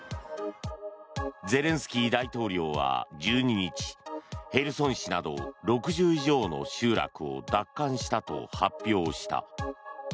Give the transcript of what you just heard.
ゼレンスキー大統領は１２日ヘルソン市など６０以上の集落を奪還したと発表した。